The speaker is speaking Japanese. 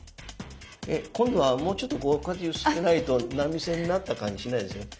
え今度はもうちょっとこうこうやって揺すってないと波線になった感じしないですね。